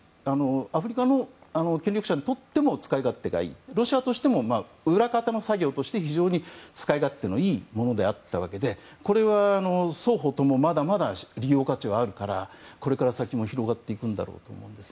アフリカの権力者にとっても使い勝手のいいロシアとしても裏方の作業として非常に使い勝手のいいものであったわけでこれは双方ともまだまだ利用価値はあるからこれから先も広がっていくんだろうと思います。